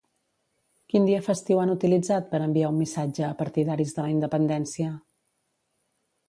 Quin dia festiu han utilitzat per enviar un missatge a partidaris de la independència?